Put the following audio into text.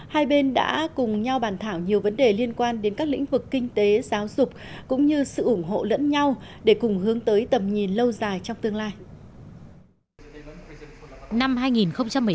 hai bên đã cùng nhau bàn thảo nhiều vấn đề liên quan đến các lĩnh vực kinh tế giáo dục cũng như sự ủng hộ lẫn nhau để cùng hướng tới tầm nhìn lâu dài trong tương lai